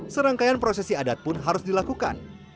serangkaian prosesi adat pun harus dilakukan